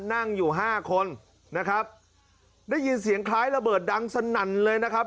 นั่งอยู่ห้าคนนะครับได้ยินเสียงคล้ายระเบิดดังสนั่นเลยนะครับ